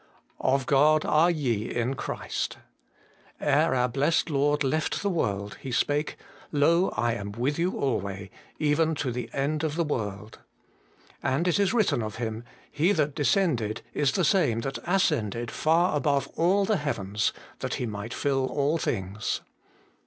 ' Of God are ye in Christ.' Ere our Blessed Lord left the world, He spake : Lo ! I am with you alway, even to the end of the world. And it is written of Him :' He that descended is the same that ascended far above all the heavens, that He might fill all things.'